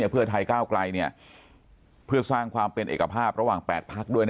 เพื่อไทยก้าวไกลเพื่อสร้างความเป็นเอกภาพระหว่าง๘พักด้วย